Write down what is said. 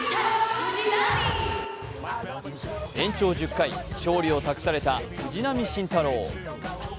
延長１０回、勝利を託された藤浪晋太郎。